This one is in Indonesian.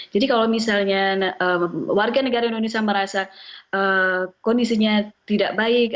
jadi kalau misalnya warga negara indonesia merasa kondisinya tidak baik